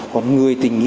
còn người tình nghĩ